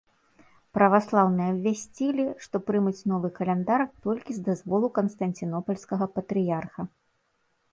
Праваслаўныя абвясцілі, што прымуць новы каляндар толькі з дазволу канстанцінопальскага патрыярха.